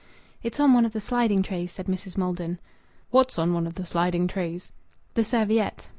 "It's on one of the sliding trays," said Mrs. Maldon. "What's on one of the sliding trays?" "The serviette."